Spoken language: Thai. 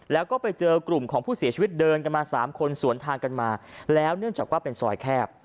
แล้วก็ไปเจอกลุ่มของผู้เสียชีวิตเดินกันมาสามคนสวนทางกันมาแล้วเนื่องจากว่าเป็นซอยแคบ